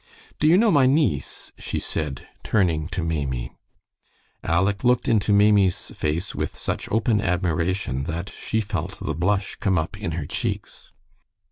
"Do you know my niece?" she said, turning to Maimie. Aleck looked into Maimie's face with such open admiration that she felt the blush come up in her cheeks.